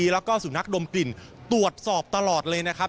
แล้วก็สุนัขดมกลิ่นตรวจสอบตลอดเลยนะครับ